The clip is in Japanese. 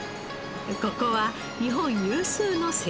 ここは日本有数の生産地。